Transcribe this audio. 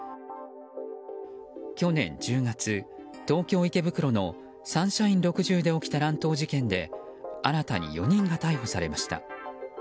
去年１０月東京・池袋のサンシャイン６０で起きた乱闘事件で新たに４人が逮捕されました。